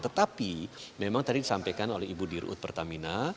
tetapi memang tadi disampaikan oleh ibu dirut pertamina